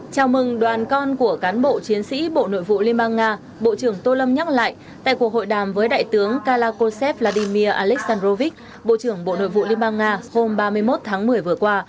chào mừng đoàn con của cán bộ chiến sĩ bộ nội vụ liên bang nga bộ trưởng tô lâm nhắc lại tại cuộc hội đàm với đại tướng kalakosev vladimir aleksandrovich bộ trưởng bộ nội vụ liên bang nga hôm ba mươi một tháng một mươi vừa qua